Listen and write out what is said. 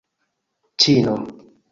ĉino